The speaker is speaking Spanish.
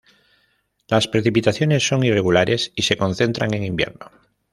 Las precipitaciones son irregulares y se concentran en invierno.